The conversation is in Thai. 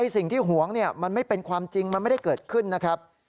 สิ่งที่หวงมันไม่เป็นความจริงมันไม่ได้เกิดขึ้นนะครับ